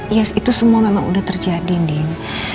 iya itu semua memang udah terjadi din